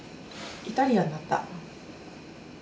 イタリアンになった。